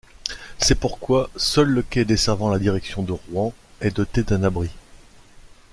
C'est pourquoi seul le quai desservant la direction de Rouen est doté d'un abri.